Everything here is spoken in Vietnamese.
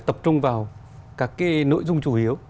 tập trung vào các nội dung chủ yếu